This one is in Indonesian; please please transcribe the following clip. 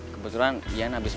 kebetulan iyan abis bayangin aku